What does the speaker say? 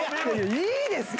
いいですか？